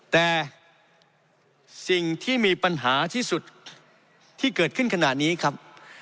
แต่สิ่งที่มีปัญหาที่สุดที่เกิดขึ้นขณะนี้ครับ